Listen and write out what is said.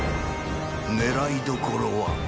狙いどころは？